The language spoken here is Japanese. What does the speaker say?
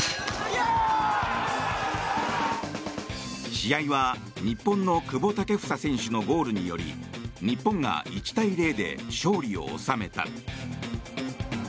試合は日本の久保建英選手のゴールにより日本が１対０で勝利を収めた。